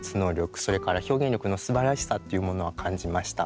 それから表現力のすばらしさというものは感じました。